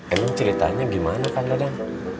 emang ceritanya gimana kang dadan